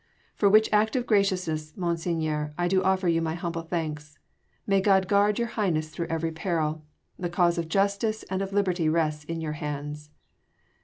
"For which act of graciousness, Monseigneur, I do offer you my humble thanks. May God guard your Highness through every peril! The cause of justice and of liberty rests in your hands."